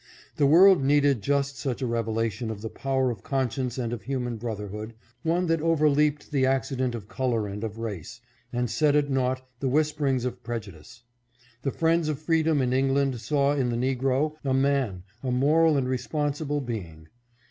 The world needed just such a revelation of the power of conscience and of human brotherhood, one that over leaped the accident of color and of race, and set at naught the whisperings of prejudice. The friends of freedom in England saw in the negro a man, a moral and responsible being.